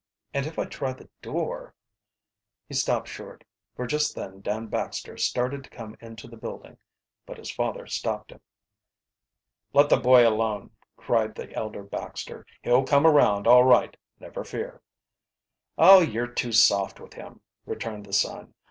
"And if I try the door " He stopped short, for just then Dan Baxter started to come into the building. But his father stopped him. "Let the boy alone," cried the elder Baxter. "He'll come around all right, never fear." "Oh, you're too soft with him," returned the son.